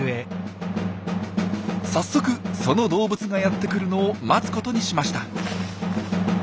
早速その動物がやって来るのを待つことにしました。